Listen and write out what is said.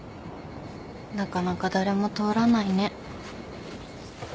なかなか誰も通らないね。だね。